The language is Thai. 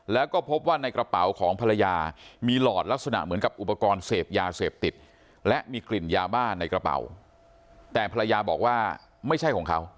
แล้วก็พบว่าในกระเป๋าของภรรยามีหลอดลักษณะเหมือนกับอุปกรณ์เสพยาเสพติดและมีกลิ่นยาบ้าในกระเป๋าแต่ภรรยาบอกว่าไม่ใช่ของเขา